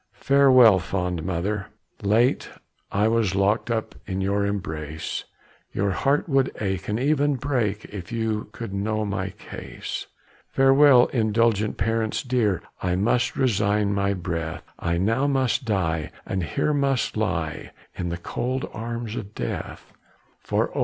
"Farewell, fond mother; late I was Locked up in your embrace; Your heart would ache, and even break, If you could know my case. "Farewell, indulgent parents dear, I must resign my breath; I now must die, and here must lie In the cold arms of death. "For oh!